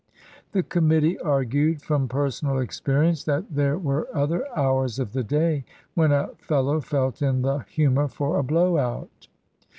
The committee argued, from personal experience, that there were other hours of the day when a fellow felt in the humour for a "blow out."